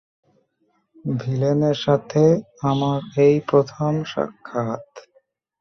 ভিলেনের সাথে আমার এই প্রথম সাক্ষাৎ।